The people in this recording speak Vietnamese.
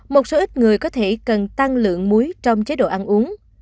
một số ít người có thể cần tăng lượng muối trong chế độ ăn uống